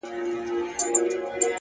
د فکرونه!! ټوله مزخرف دي!!